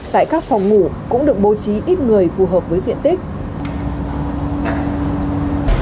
tại các phòng ngủ cũng được bố trí ít người phù hợp với diện tích